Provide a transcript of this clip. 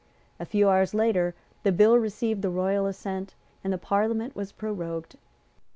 A few hours later the bill received the royal assent, and the Parliament was prorogued.